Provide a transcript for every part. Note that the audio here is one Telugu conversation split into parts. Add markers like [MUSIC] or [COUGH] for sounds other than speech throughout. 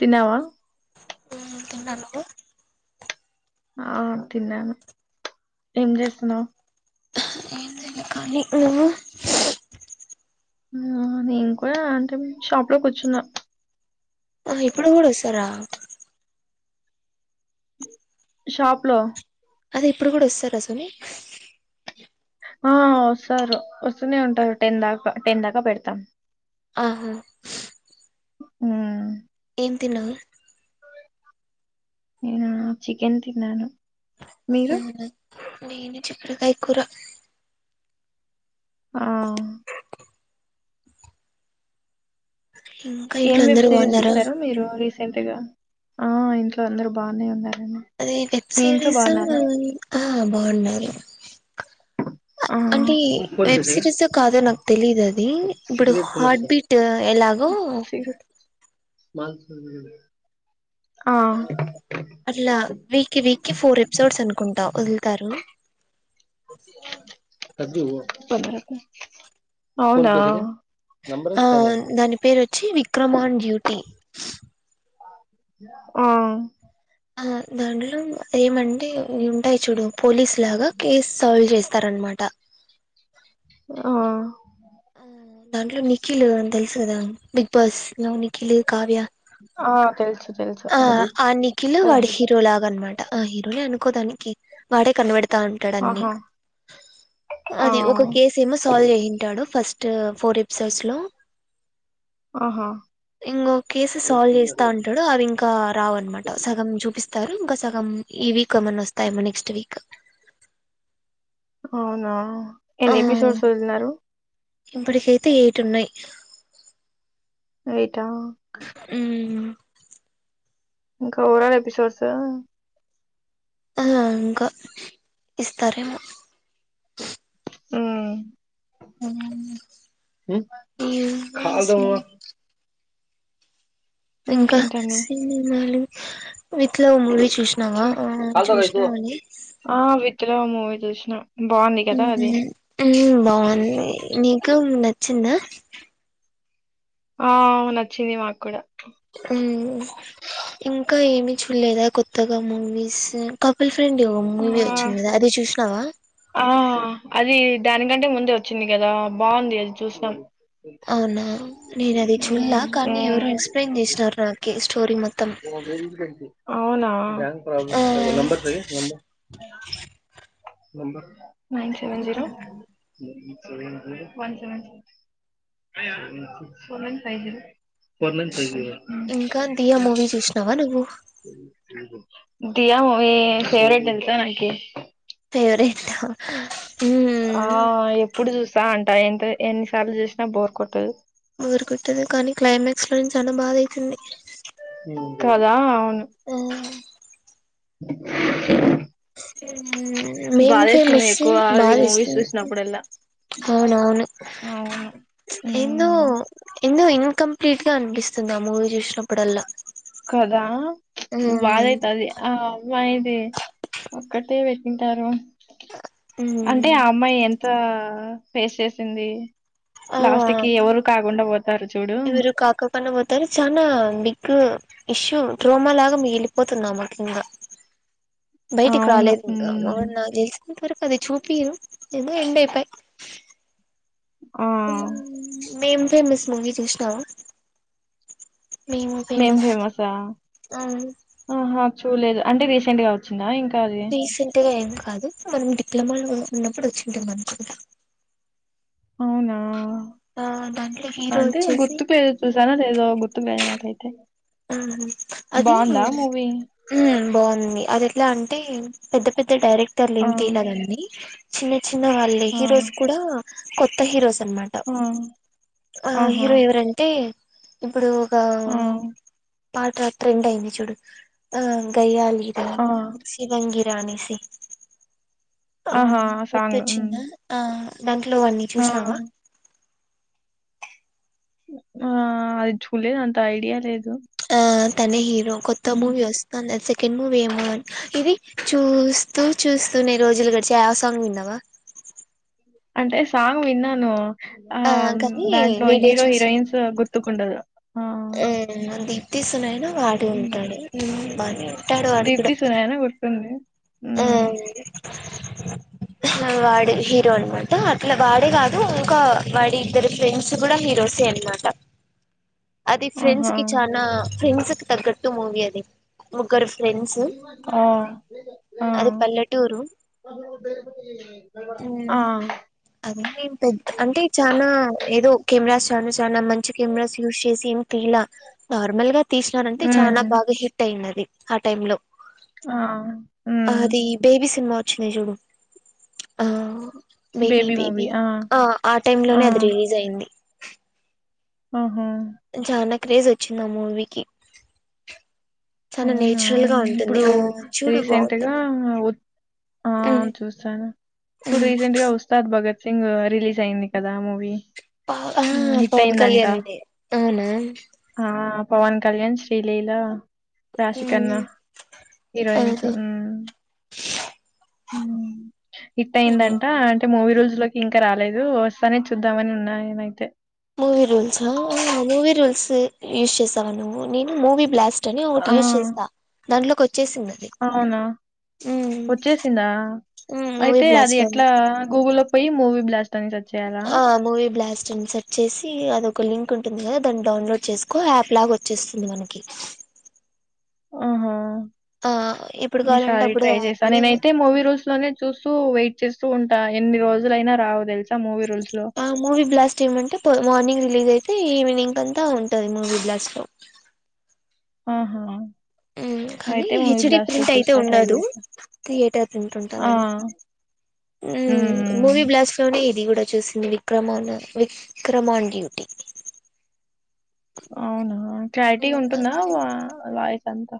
తిన్నావా నేను కూడ తిన్నా నువ్వు ఆ తిన్నాను ఏం చేస్తున్నావ్ ఏం చేయలే కాలి నువ్వు నేను కూడా అంటే షాప్ లో కూర్చున్నా ఆ ఇప్పుడు కూడా వస్తారా షాప్ లో అదే ఇప్పుడు కూడా వస్తారా సుని ఆ వస్తారు వస్తూనే ఉంటారు టెన్ దాకా టెన్ దాకా పెడతాం. ఆహా ఉమ్ ఏం తిన్నావు నేను చికెన్ తిన్నాను మీరు అవున నేను చుక్కడి కాయ కూర ఆ ఇంకా ఇంట్లో అందరు బాగున్నార తెగా ఆ ఇంట్లో అందరు బాగనే ఉన్నారు అదే వెబ్ సిరీస్ ఆ బాగుండది ఆ అంటే వెబ్ సిరీస్ కాదో నాకు తెలీదు అది ఇప్పుడు హార్ట్ బీట్ ఎలాగో సీరు- [INAUDIBLE] ఆ అట్లా వీక్కి వీక్కిి ఫోర్ ఎపిసోడ్స్ అనుకుంటా వదులుతారు [INAUDIBLE] అవునా ఆ దాని పేరు వచ్చి విక్రమ్ ఆన్ డ్యూటీ ఆ ఆ దండలో ఏమంటే ఇవి ఉంటాయి చూడు పోలీసు లాగా కేస్ సాల్వ్ చేస్ స్తారన్నమాట ఆ ఆ దాంట్లో నిఖిలు తెలుసుగదా బిగ్ బాస్ నిఖిలు కావ్య ఆ తెలుసు తెలుసు ఆ ఉమ్, ఆ నిఖల్ వాడి పదహైదు హీరో లాగ అనమాట ఆ హీరోనే అనుకో దానికి వాని కన్నబడ్ రా ఉంటాడు అన్ని ఆహా ఆ అది ఒక కేసు ఏమో సాల్వ్ చేసింటాడు ఫస్ట్ [UNINTELLIGIBLE] ఫోర్ ఎపిసోడ్స్ లో ఆహా ఇంక కేసు సాల్వ్ చేస్తా ఉంటాడు అవి ఇం కా రావు అనమాట సగం చూపిస్ స్తారు ఇంకా సగం ఈ వీక్ ఏమన్నా వస్తాయమో నెక్స్ట్ వీక్ అవునా ఆ ఎన్ని ఎపిసోడ్ చదుతున్నారు ఇప్పటికైతే ఏటు ఉన్నాయి ఎయిట్ హా మ్ ఇంకా చూడాలా ఎపిసోడ్స్ ఆ ఇంకా ఇస్తారేమో మ్ మ్ కాదు ఇంకా ఇంకేంటండి విత్ లవ్ ము చూసినావ చెప్ త్ లవ్ మూవీ చుస్నా ఊహూ ఊ బావుంది నీకు న చ్చిందా ఆవ్ నచ్చింది మాక్కూడా ఉమ్ ఇంకా ఏమీ చూడలేదా కొత్తగా మూవీస్ క పుల్ ఫ్రెండ్ ఆ మూవీ వచ్చింది కదా అది చూషినావా ఆ అది దానికంటే ముందే వచ్చింది కదా బాగుంది అది చూసినాం అవునా నేను అది చూలా మ్మ్ కానీ మ్మ్ ఎవరో ఎక్స్ప్లెయిన్ చేసినారు నాకి స్టోరి మొ అహా బిల్డింగ్ కట్టి అవునా బ్యాంక్ ఆ problems [INAUDIBLE] numbers [INAUDIBLE] number nine seven zero one seven six four one five zero four one five zero నవా నువ్వు దయా మూవీ ఫేవరెట్ తెలుసా నాకి ఫేవరేటూ ఆ ఎప్పుడు చూసా అం టే ఎన్ని సార్లు చూసినా బోర్ కొట్టదు బోరుకొట్టదు కానీ క్లైమాక్స్ లోనే చాలా బాధ అయితుంది కాదా ఆ ఉ మేము బాధేస్తుంది ఫేమస్ ఎక్కువ అది బాదే మూవీస్ ఇస్తుంది చూసినప్పుడల్లా అవున అవును అవును ఎందో ఉమ్ ఏందొ ఇం కంప్లీట్ గా అనిపిస్తుంది ఆ మూవీ చూసినప్పుడల్లా కదా బాద అయితాది ఇది ఒక్కటే పెట్టింటారు అంటే ఆ అమ్మాయి ఎంత ఫేస్ చేేసింది ఆ చూడు ఎవరు కాక కుండా పోతారు చానా బిగ్ ఇష్యూ డ్రోమా లాగా మగిలిపోతుందామ ఇంగ బయటి కి అవును రాలేదు ఇంకా ఉమ్ వాడు నాకి తెలిసినంత వరక్ అది చూపిరు ఏదో ఎండ్ అయిపాయ్ ఆ మేమ్ ఫేమస్ మూవీ చూసినావా మేమ్ ఫేమస్ ఆ అవును అహ చూలేదు అంటే రీసెంట్ గా వచ్చిందా ఇంకా అది రీసెంట్ గా ఏమి కాదు మనం డిప్లొమాలో ఉన్నప్పుడు వచ్చింటుంది అనుకుంటా అవునా ఆ దాంట్లో హీరో అంటే వచ్చేసి గుర్తుకు లేదు చూసానో లేదో గుర్తు ఉన్నాయా అట్ట అయితే ఆ అది ఊ బాగుంది అది ఎట్లా అంటే పెద్ద పె అంటే డైరెక్టర్ ఆ! లింక్ ఇయ్యా లా దాన్ని చిన్న చిన్న వాళ్ళే ఆ! హీరోస్ కూడా కొత్త హీరోస్ అన్నమాట ఆ! ఆ ఆహా! హీరో ఎవరంటే ఇప్పుడు ఒకా ఆ! పాట ట్రెండ్ అయింది చూడు ఆ గయ్యాలి రా ఆ! శివంగి అన్నివేసి ఆ ఆహా! గుర్తు సాంగ్. హ్మ్. వచ్చిందా ఆ [INAUDIBLE] హలో అన్నీ ఆ! చూసినావా ఆ అది చూడ లేదు అంత ఐడియా లేదు ఆ తనే హీరో కొత్త హ్మ్. మూవీ వస్తోంది ఎస్ సెకండ్ మూవీ ఏమో అన్ ఇది చూస్తూ చూస్తూనే రోజులు గడిచే ఆ సాంగ్ విన్నావా అంటే సాంగ్ విన్నాను ఆ కానీ దాంట్లో వీడియో హీరో హీరోయిన్స్ గుర్తుకు ఉండదు ఉ దీప్తి సున్నాయినా వాడు హ్మ్. ఉంటాడు బాగానే ఉంటాడు వాడు కూడా 'దీప్తి సునేన' గుర్తుంది. ఆ హ్మ్. వాడ హీరో అనమాట, అట్లా వాడే కాదు ఇంకా వాడి ఇద్దరు ఫ్రెండ్స్ కూడా హీరోసే అనమాట అది ఫ్రెండ్స్ ఆహా! కి చనా ఫ్రెండ్స్కి తగ్గట్టు మూవీ అది ముగ్గురు ఫ్రెండ్స్ ఆ ఆ! అది పల్లెటూరు ఆ! అది పెద్ద అంటే చనా ఏదో ఒకే [UNINTELLIGIBLE] చాలా మంచి కెమెరాస్ యూస్ చేసి ఎం తిల నార్మల్ గా తీసినరంట చాలా హ్మ్. బాగా హిట్ అయినది ఆ టైమ్ లో ఆ హ్మ్. అది బేబీ సినిమా చిన చూడు ఆ బేబీ బేబీ ఆ ఆ టై లోనే అది రిలీజ్ అయింది ఆహా చానా క్రేజ్ వచ్చింది ఆ మూవీకి చానా అవునా నేచురల్ గా ఉంటుంది ఇప్పుడు ఆ చూడు రీసెంట్గా బాగుంటుంది ఆ ఉమ్ చూస్తాను ఇప్పుడు ఉమ్ రీసెంట్గా ఉస్తాద్ భగత్ సింగ్ రిలీజ్ అయింది కదా మూవీ. హ్మ్. హిట్ పవన్ అయిందంట. కళ్యాణ్ండి అవునా ఆ! పవన్ కళ్యాణ్ శ్రీలలీలా రాశి కన్న ఉమ్ హీరోయిన్స్ అదే మ్ హిట్ ఉమ్ అయిందంట అంటే మూవీ రోజు లోకి ఇంకా రాలేదు వస్తానే చూద్దాంమని ఉన్నా నేనైతే యూస్ చేసవ నువు నేను మూవి బ్లాస్ట్ ఒకటి ఆ! యూస్ చేస్తా దాంట్లోకి వ అవునా వచ్చేసిందా మూవీ అయితే అది బ్లాస్ట్ లో ఎట్లా గూగుల్లో పోయి మూవీ బ్లాస్ ఆ మూవీ బ్లాస్ట్ సెట్ చేసి అదొక లింక్ ఉంటుంది కద దాన్ని డౌన్లోడ్ చేసుకొ యాప్ లా వచ్చేస్తుంది మనకి ఆహా ఆ ఎప్పుడు కావాలంటే ఈసారి అప్పుడు ట్రై యాప్ చేస్తాను లో నేనైతే మూవీ రూల్స్ లోనే చూస్తూ వెయిట్ చేస్ వస్తూ ఉంటా ఎన్ని రోజుల అైనా రావు తెలుస మూవీ బ్లాస్ట్ అంటే మార్నింగ్ రిలీజ్ అయి అయితే ఈవినింగ్ అంతా ఉంటంది మూవి బ్లాస్ట్ లో ఆహా మ్ కానీ అయితే మూవీ హెచ్డి బ్లాస్ట్‌లో ప్రింట్ అయితే చూస్తా ట్రై ఉండదు, చేస్తా. థియేటర్ తిట్ ఆ! ఉంటందని హ్మ్. మూవీ హ్మ్. బ్లాస్ట్ లోనే ఇది కూడా చూసి విక్రమా విక్రమాన్ డ్యూటి అవునా క్లారిటీ ఉంటుందా వ వ చంత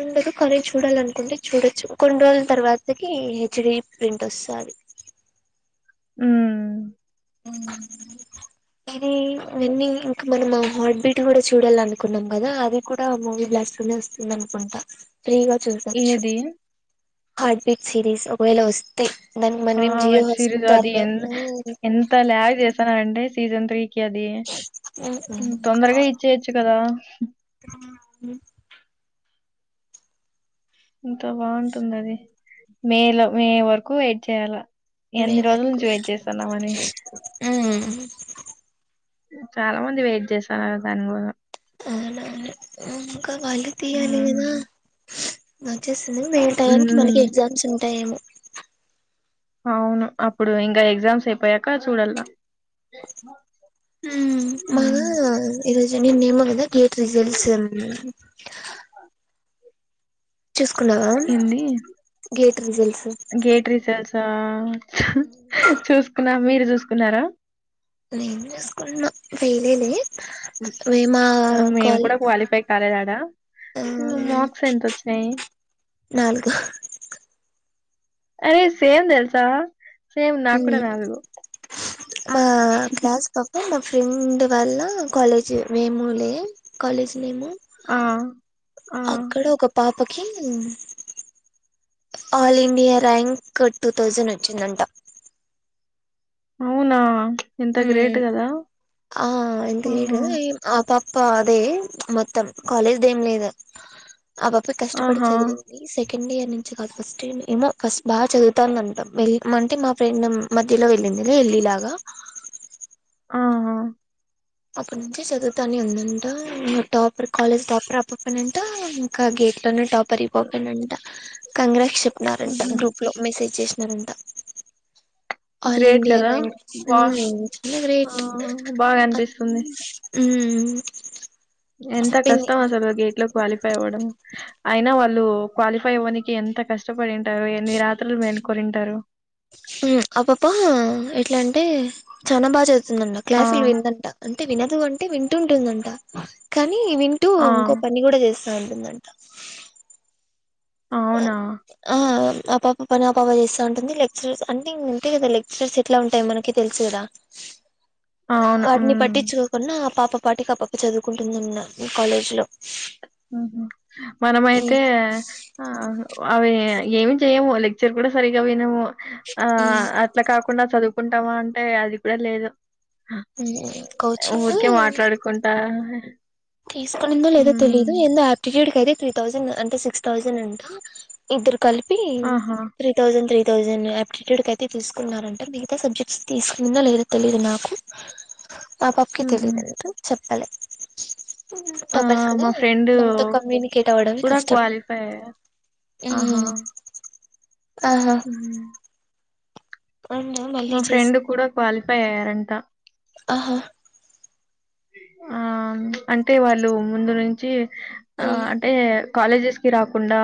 ఉండదు కానీ చూడాల అనుకుంటే చూడొచ్చు కొన్ని రోజుల తర్వాతకి హెచ్డీ ప్రింట్ వస్తది ఉ ఇది నన్నన్ని ఇంకా మనం హార్ట్ బీట్ కూడా చూడాల అనుకున్నాం కదా, అది కూడా మూవీ బ్లాస్టులోనే వస్తుంది అనుకుంటా ఫ్రీగా చూసొచ్చు ఏది? హార్ట్ బీట్ సీరీస్ ఒకవేళ వస్తే దానికి మనం ఆ ఏం జియో వెబ్ సిరీస్ హాట్స్టార్ అది, లో ఎన్ ఎంత ల్యాగ్ జేస్. స్తాన్నారంటే సీసన్ త్రీ. క్యాది తొందరగా ఇచ్చేయొచ్చు కదా. ఉమ్. ఇంత బాగుంటుంది అది, మే లో, మే వరకు వెయిట్ చేయాల. మే ఎన్ని రోజుల వరకు నుంచి వెయిట్ చేస్తున్నామని చాలా మంది వెయిట్ చేసారు దాని కూడా అనా అకా వలి తీయాలిదా హ్మ్ నచెస్ వేటానికి మనకి హ్మ్ ఎగ్జామ్స్ ఉంటాయేమో అవును అప్పుడు ఇంకా ఎగ్జామ్స్ అయిపోయాక చూడలా మ్ మాగా ఇరోజ నేన్ ఎమో గదా గేట్ రిజల్ట్స్. [UNINTELLIGIBLE] చూసుకున్నావా ఏంది గేట్ రిజల్ట్స్ గేట్ రీజల్ట్స్ ఆ, చూసుకున్నా మీరు చూస్. కున్నారా. నేన్ జుసుకున్న ఫైలే లే. మేము కూడా క్వాలిఫై కాలేదాడా, ఆ మార్క్స్ ఎంత ఓచ్చినాయి. నాలుగు అరే సేమ్ తెల్సా. ఉమ్, మా క్లాస్ పక్క [UNINTELLIGIBLE] ఫ్రెండ్ వాళ్ళ కాలేజ్, మేము లే కాలేజ్ నేము. ఆ. ఆ అక్కడ ఒక pop. [UNINTELLIGIBLE] All India rank, two thousand ఓచ్చిందంట. అవునా. ఎంత గ్రేట్ ఉమ్ కదా ఆ ఎంత గ్రేట్ ఆహా కదా, ఏం ఆ పాప్. [UNINTELLIGIBLE] అది మొత్తం, కాలేజ్ దేమ్ లేదు. ఆ పాప, కష్టపడి ఆహా చదివింది సేక్. సెకండ్ ఇయర్ నుంచి కాదు, ఫస్ట్ ఇయర్ ఏమో ఫస్ట్ బాగా చదువుతాన్దంట. మేళ్ అంటే మా ఫ్రెండ్ మధ్యలో వెళ్ళిందిలే నీలాగా. ఆహా అప్పటి నుంచి చదువుతానే ఉందంట, టాపర్ కాలేజ్ టాపర్ అప్పప్పన్ అంట, ఇంకా గేట్ లోనే టాప్. [UNINTELLIGIBLE] కంగ్రాట్స్ చెప్. నారంటా హుహు. గ్రూప్ లో మెసేజ్ జేస్. జరంట ఆల్ గ్రేట్ ఇండియా కదా రం బా ఆ గ్రేట్ బాగా అ అనిపిస్తుంది ఉ ఎంత కష్టం అసలు గేట్లో క్వాలిఫై అవ్వడం అయినా వాళ్ళు క్వాలిఫై అవ్వనికి ఎంత కష్టపడింటారు ఎన్ని రాత్రులు మేలుకొంటారు ఉమ్ ఆ పాప ఎట్లా అంటే, చానా బాగా చదువుతుందంట, ఆ క్లాసులు విన్దంట. వినదు అంటే వింటుంటుందంట కాన్. నీ వింటూ ఆ ఇంకో పని కూడా జేస్. [UNINTELLIGIBLE] దంట. అవునా ఆ. ఆ పాప పని ఆ పాప జేస్తా ఉంటుంది. లెక్చరర్స్ [UNINTELLIGIBLE] ఉంటాయి కదా లెక్చరర్స్ ఎట్లా ఉంటాయి, మనకి తెలుసు కదా. అవును వాటిని ఉమ్ పట్టించుకోకుండా. పాప పాటికి ఆ పాప చదువుకుంటుందంట, ఈ కాలేజ్ లో. ఉహుమ్ మనమైతే ఉమ్ ఆహుం. అవి ఏమి చేయవు పక్చర్ కూడా సరిగా వినవు ఆ ఉమ్ అట్లా కాకుండా చదువు ఒకుంటామా అంటే అది కూడా లేదు ఉమ్ ఊరికే మాట్లాడుకుంటా తీసుకొనిందో లేదో తెలియదు ఉమ్ ఎందు డ్ క అయితే త్రీ థౌసండ్ అంటే సిక్స్ థౌసండ్ అంటా ఇద్దరు కలిపి ఆహా three thousand three three thousand aptitude కి అయితే తీసుకున్నారంట మిగతా సబ్జెక్ట్ తీసుకుందా లేదా తెలిదు నాకు మాపాపకి ఉహు తెలియదు అంటు చెప్ప అలె ఆ టపర్స్ కదా మా ఫ్రెండ్ మనతో కమ్యూనికేట్ అవ్వడం కూడా కష్టం క్వాలిఫై అయ్యారు ఆహా హ అవునా మళ్ళీ మా చేస్ ఫ్రెండ్ కూడా క్వాలి పేరంట ఆహా ఆ అంటే వాళ్ళు ముందు నుంచి ఆ అంటే కాలేజెస్ కి రాకుండా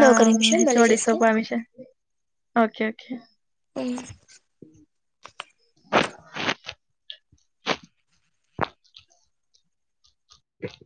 ఆ ఒక నిమిషం హెచ్ మళ్ళీ ఓడి తో చేస్తా పర్మిషన్ చ్ [INAUDIBLE] అవును [INAUDIBLE]